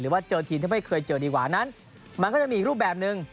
ว่าเจอทีมที่ไม่เคยเจอดีกว่านั้นมันก็จะมีอีกรูปแบบหนึ่ง